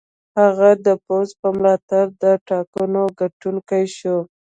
هغه د پوځ په ملاتړ د ټاکنو ګټونکی شو.